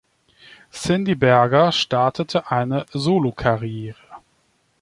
Cindy Berger startete eine Solokarriere.